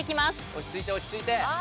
落ち着いて落ち着いて。